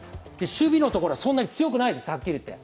守備のところはそんなに強くないです、はっきり言って。